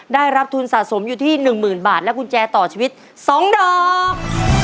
ได้รับทุนสะสมอยู่ที่๑๐๐๐บาทและกุญแจต่อชีวิต๒ดอก